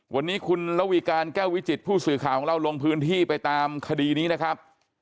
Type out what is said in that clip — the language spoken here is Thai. วันนี้คุณระวีการแก้ววิจิตผู้สื่อข่าวของเราลงพื้นที่ไปตามคดีนี้นะครับ